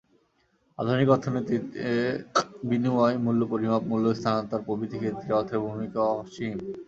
আধুনিক অর্থনীতিতে বিনিময়, মূল্য পরিমাপ, মূল্য স্থানান্তর প্রভৃতি ক্ষেত্রে অর্থের ভূমিকা অসীম।